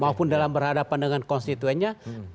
maupun dalam berhadapan dengan konstituennya